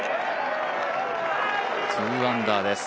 ２アンダーです。